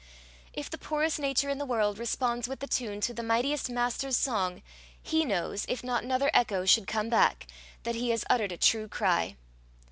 If the poorest nature in the world responds with the tune to the mightiest master's song, he knows, if not another echo should come back, that he has uttered a true cry.